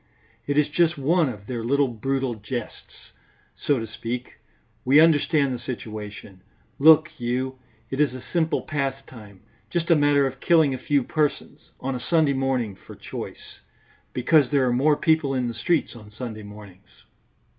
It is just one of their little brutal jests, so to speak; we understand the situation, look you; it is a simple pastime, just a matter of killing a few persons, on a Sunday morning for choice, because there are more people in the streets on Sunday mornings.